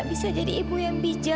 dan bayinya kamila